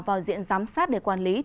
vào diện giám sát để quản lý